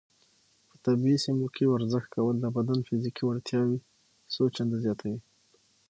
په طبیعي سیمو کې ورزش کول د بدن فزیکي وړتیاوې څو چنده زیاتوي.